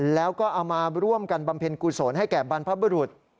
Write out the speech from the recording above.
แล้วก็เอามาร่วมกันบำเพ็ญกุศลให้แก่บรรพบรุษ